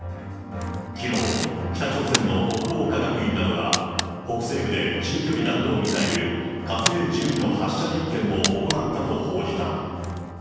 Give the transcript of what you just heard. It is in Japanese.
きのう、北朝鮮の国防科学院などが、北西部で中距離弾道ミサイル、火星１２の発射実験を行ったと報じた。